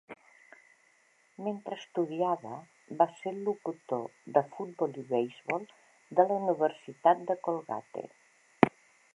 Mentre estudiava, va ser el locutor de futbol i beisbol de la Universitat de Colgate.